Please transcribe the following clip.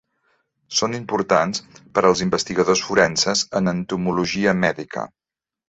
Són importants per als investigadors forenses en entomologia mèdica.